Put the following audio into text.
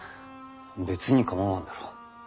別に構わんだろう。